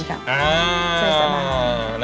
เส้น